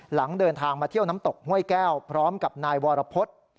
หลังเดินทางมาเที่ยวน้ำตกห้วยแก้วพร้อมกับนายวรพฤษ